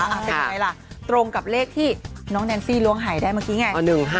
เป็นไงล่ะตรงกับเลขที่น้องแนนซี่ล้วงหายได้เมื่อกี้ไง